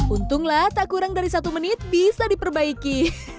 untunglah tak kurang dari satu menit bisa diperbaiki